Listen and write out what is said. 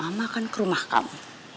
mama kan ke rumah kamu